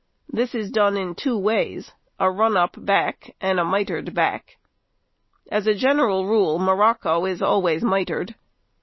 This is done in two ways, a "run up" back and a "mitred" back. As a general rule morocco is always mitred.